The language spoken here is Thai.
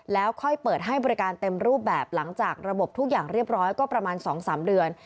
แล้วค่อยเปิดให้บริการเต็มรูปแบบหลังจากระบบทุกอย่างเรียบร้อยก็ประมาณ๒๓เดือน